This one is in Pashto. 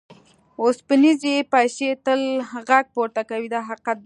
اوسپنیزې پیسې تل غږ پورته کوي دا حقیقت دی.